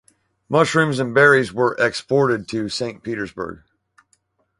Mushrooms and berries were exported to Saint Petersburg.